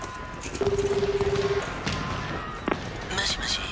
「もしもし？」。